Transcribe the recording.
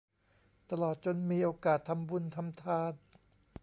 ตลอดจนมีโอกาสทำบุญทำทาน